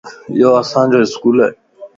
يو اسان جو اسڪول ائي